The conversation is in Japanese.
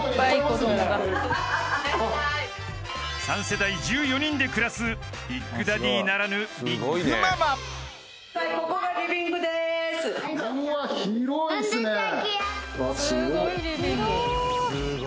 ［３世代１４人で暮らすビッグダディならぬビッグママ］わすごっ。